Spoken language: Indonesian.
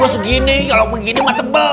segini kalau begini metebel